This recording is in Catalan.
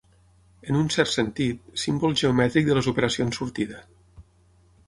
En un cert sentit, símbol geomètric de les operacions sortida.